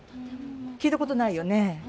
聞いたことないよね？